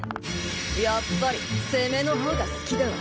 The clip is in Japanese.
やっぱり攻めの方が好きだわ。